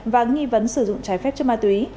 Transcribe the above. và nghi vấn sử dụng trái phép chất ma túy